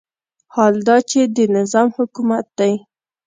حال دا چې نه نظام حکومت دی.